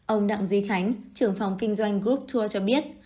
ông đặng duy khánh trưởng phòng kinh doanh group tour cho biết